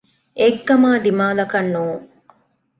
އެއްގަމާ ދިމާލަކަށް ނޫން